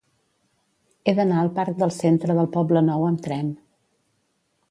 He d'anar al parc del Centre del Poblenou amb tren.